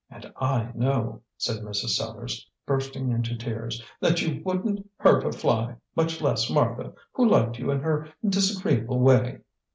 And I know," said Mrs. Sellars, bursting into tears, "that you wouldn't hurt a fly, much less Martha, who liked you in her disagreeable way."